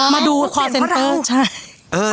อ๋อมาดูความเซ็นเตอร์ใช่